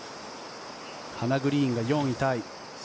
ハナ・グリーンが４位タイ。